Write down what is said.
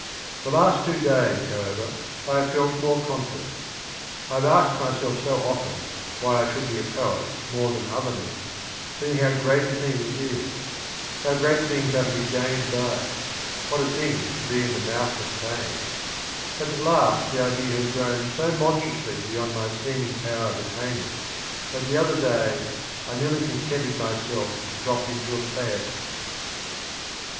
These last two days, however, I have felt more confident — I have asked myself so often why I should be a poet more than other men, seeing how great a thing it is — how great things are to be gained by it, what a thing to be in the mouth of Fame — that at last the idea has grown so monstrously beyond my seeming power of attainment, that the other day I nearly con sented with myself to drop into a Phaeton."